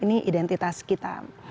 ini identitas kita